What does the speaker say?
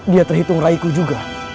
dia terhitung raiku juga